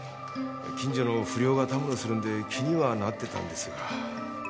近所の不良がたむろするんで気にはなってたんですが。